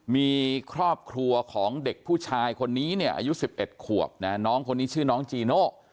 มีครอบครัวของเด็กผู้ชายคนนี้เนี่ยอายุ๑๑ขวบนะน้องคนนี้ชื่อน้องจีโน่